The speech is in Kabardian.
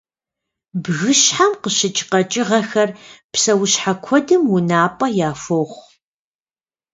Бгыщхьэм къыщыкӏ къэкӏыгъэхэр псэущхьэ куэдым унапӏэ яхохъу.